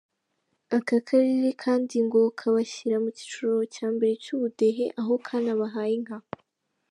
Aka karere kandi ngo kabashyira mu cyiciro cya mbere cy’ubudehe, aho kanabahaye inka.